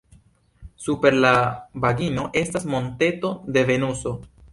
Super la vagino estas monteto de Venuso.